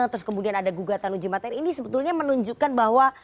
terus kemudian ada gugatan uji materi ini sebetulnya menunjukkan bahwa